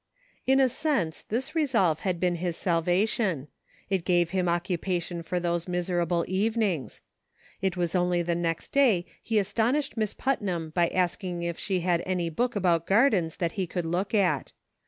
In a sense, this resolve had been 1 is sa'^'ation. It gave him occupation for those miserable even ings. It was only the next day he astonished Miss Putnam by asking if she had any book aboul gar dens that he could look at.